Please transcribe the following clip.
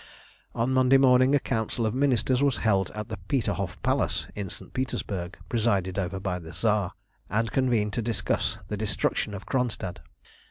On Monday morning a Council of Ministers was held at the Peterhof Palace in St. Petersburg, presided over by the Tsar, and convened to discuss the destruction of Kronstadt.